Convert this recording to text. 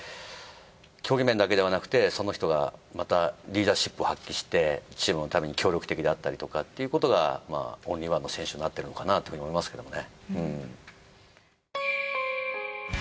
競技面だけではなくてその人がまたリーダーシップを発揮してチームのために協力的であったりとかっていうことがオンリーワンの選手になってるのかなと思いますけどね。